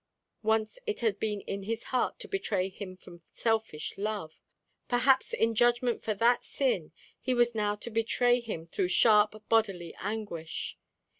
Once it had been in his heart to betray him from selfish love; perhaps in judgment for that sin he was now to betray him through sharp bodily anguish.